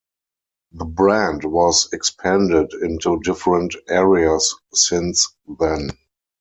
The brand was expanded into different areas since then.